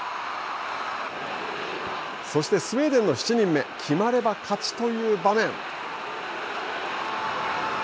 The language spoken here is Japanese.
そしてスウェーデンの７人目決まれば勝ちという場面。